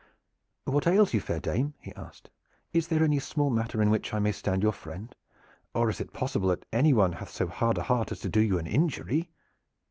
"What ails you, fair dame?" he asked. "Is there any small matter in which I may stand your friend, or is it possible that anyone hath so hard a heart as to do you an injury."